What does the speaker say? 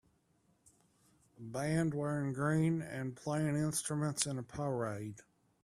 A band wearing green and playing instruments in a parade.